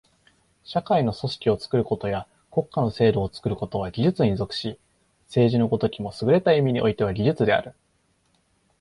社会の組織を作ることや国家の制度を作ることは技術に属し、政治の如きもすぐれた意味において技術である。